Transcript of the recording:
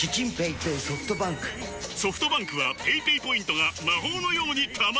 ソフトバンクはペイペイポイントが魔法のように貯まる！